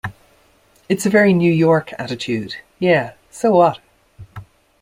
It's a very New York attitude: 'Yeah, so what?